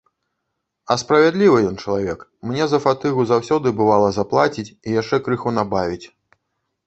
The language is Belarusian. А справядлівы ён чалавек, мне за фатыгу заўсёды, бывала, заплаціць і яшчэ крыху набавіць.